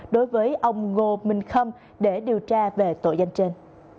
đối với ông ngô minh khâm để điều tra về tội danh trên